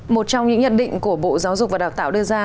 một trong những nhận định của bộ giáo dục và đào tạo đưa ra